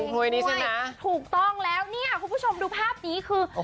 ภงภวยนี่สินะถูกต้องแล้วนี่คุณผู้ชมดูภาพนี้คือ